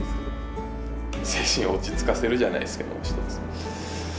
精神を落ち着かせるじゃないですけど。